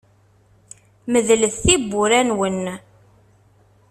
Medlet tiwwura-nwen.